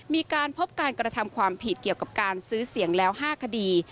มีการพบการกระทำความผิดเกี่ยวกับการซื้อเสียงแล้ว๕คดี